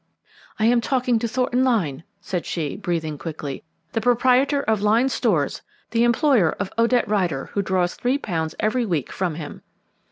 "I am talking to Thornton Lyne," said she, breathing quickly, "the proprietor of Lyne's Stores, the employer of Odette Rider who draws three pounds every week from him."